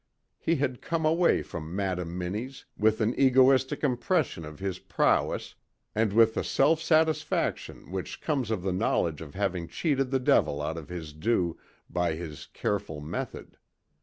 He had come away from Madam Minnie's with an egoistic impression of his prowess and with the self satisfaction which comes of the knowledge of having cheated the devil out of his due by his careful method.